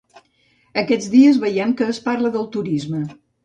Aquests dies veiem que es parla del turisme.